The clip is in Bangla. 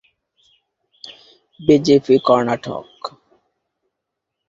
বিজেপি কর্ণাটক